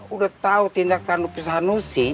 udah tau tindak sanusi